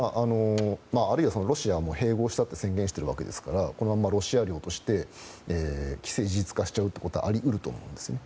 ロシアも併合したと宣言しているわけですからこのままロシア領として既成事実化しちゃうことはあり得ると思うんですね。